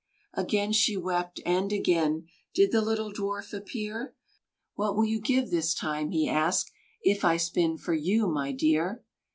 Again she wept, and again Did the little dwarf appear; "What will you give this time," he asked, "If I spin for you, my dear?"